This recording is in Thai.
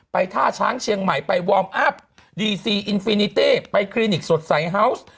ท่าช้างเชียงใหม่ไปวอร์มอัพดีซีอินฟินิเต้ไปคลินิกสดใสเฮาวส์